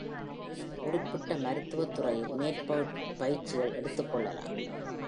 குறிப்பிட்ட மருத்துவத்துறையில் மேற்பயிற்சிகள் எதுத்துக்கொள்ளலாம்.